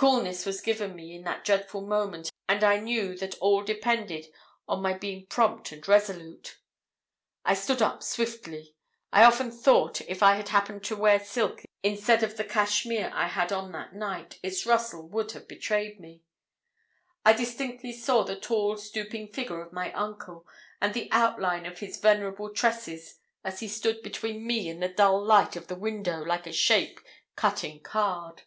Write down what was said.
Coolness was given me in that dreadful moment, and I knew that all depended on my being prompt and resolute. I stood up swiftly. I often thought if I had happened to wear silk instead of the cachmere I had on that night, its rustle would have betrayed me. I distinctly saw the tall stooping figure of my uncle, and the outline of his venerable tresses, as he stood between me and the dull light of the window, like a shape cut in card.